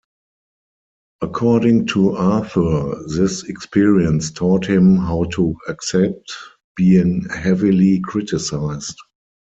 According to Arthur, this experience taught him how to accept being heavily criticized.